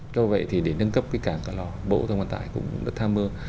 do vậy thì để nâng cấp cái cảng cờ lò bộ thông văn tải cũng tham mưu